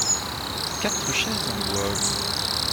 Quatre chaises en bois.